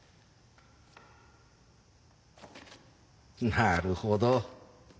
なるほど。